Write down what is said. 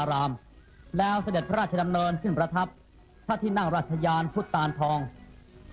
จบแล้วตรงโปรดอกพี่กุญเงินพี่กุญทองท่านราชธานแด่พระบรมวงศานุวงศ์